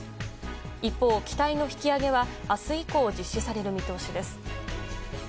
一方、機体の引き揚げは明日以降実施される見通しです。